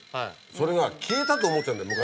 それが消えたと思っちゃうんだよ